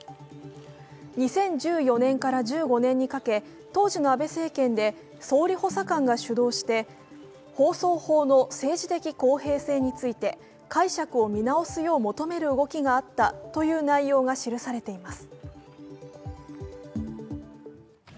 ２０１４年から１５年にかけ当時の安倍政権で総理補佐官が主導して、放送法の政治的公平性について解釈を見直すよう求める動きがあったという内容が記されています。